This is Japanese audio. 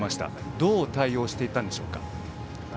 どう対応していったんでしょうか。